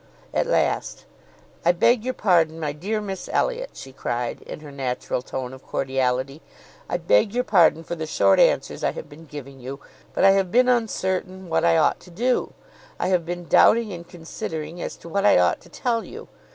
At last— "I beg your pardon, my dear Miss Elliot," she cried, in her natural tone of cordiality, "I beg your pardon for the short answers I have been giving you, but I have been uncertain what I ought to do. I have been doubting and considering as to what I ought to tell you.